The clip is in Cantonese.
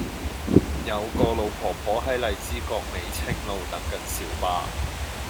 有個老婆婆喺荔枝角美青路等緊小巴